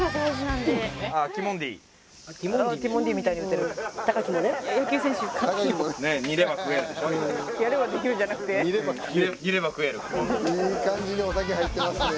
いい感じにお酒入ってますね。